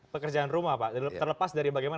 pekerjaan rumah pak terlepas dari bagaimana